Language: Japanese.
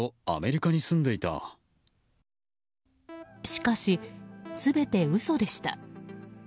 しかし、全て嘘でした。